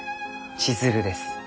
千鶴です。